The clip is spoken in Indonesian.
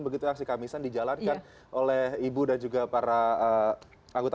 begitu aksi kamisan dijalankan oleh ibu dan juga para anggota